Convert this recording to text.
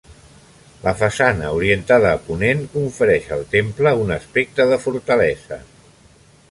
La façana, orientada a ponent, confereix al temple un aspecte de fortalesa.